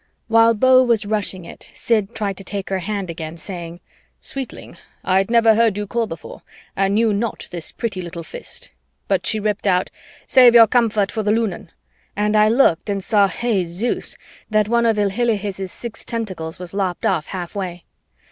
While Beau was rushing it, Sid tried to take her hand again, saying, "Sweetling, I'd never heard you call before and knew not this pretty little fist," but she ripped out, "Save your comfort for the Lunan," and I looked and saw Hey, Zeus! that one of Ilhilihis' six tentacles was lopped off halfway.